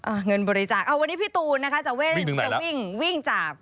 อ้าห์เงินบริจาควันนี้พี่ตูนนะคะจะวิ่งจาก